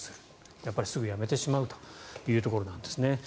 やっぱりすぐ辞めてしまうというところなんですね。